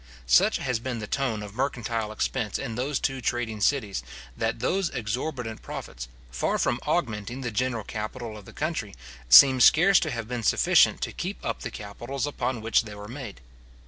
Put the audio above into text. Such has been the tone of mercantile expense in those two trading cities, that those exorbitant profits, far from augmenting the general capital of the country, seem scarce to have been sufficient to keep up the capitals upon which they were made.